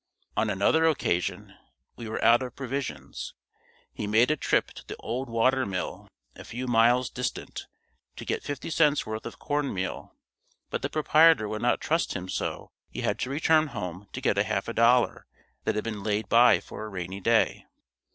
On another occasion we were out of provisions. He made a trip to the old water mill, a few miles distant, to get 50c worth of cornmeal, but the proprietor would not trust him so he had to return home to get a half dollar that had been laid by for a rainy day.